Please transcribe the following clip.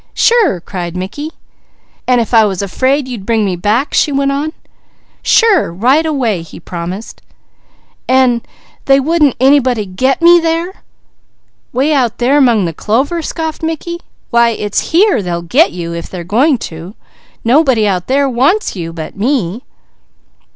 "Sure!" cried Mickey. "An' if I was afraid you'd bring me back?" she went on. "Sure! Right away!" he promised. "An' they wouldn't anybody 'get' me there?" "'Way out there 'mong the clover?" scoffed Mickey. "Why it's here they'll 'get' you if they are going to. Nobody out there wants you, but me."